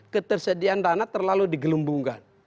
ketersediaan dana terlalu digelumbungkan